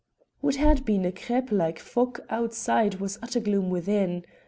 What had been a crêpe like fog outside was utter gloom within.